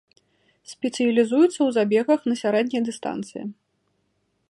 Спецыялізуецца ў забегах на сярэднія дыстанцыі.